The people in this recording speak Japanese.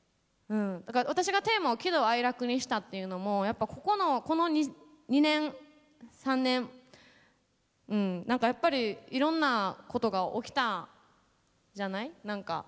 だから私がテーマを「喜怒哀楽」にしたっていうのもやっぱここのこの２年３年何かやっぱりいろんなことが起きたじゃない何か。